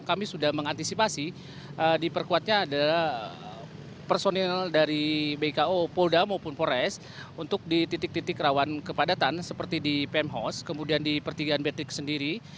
kami sudah mengantisipasi diperkuatnya adalah personil dari bko polda maupun pores untuk di titik titik rawan kepadatan seperti di pemhos kemudian di pertigaan betik sendiri